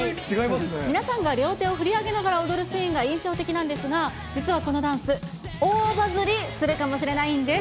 皆さんが両手を振り上げながら踊るシーンが印象的なんですが、実はこのダンス、大バズりするかもしれないんです。